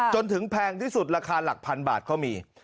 จนถึงแพงที่สุดราคาหลักพันบาทเขามี